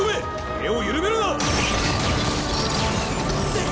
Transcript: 手を緩めるな！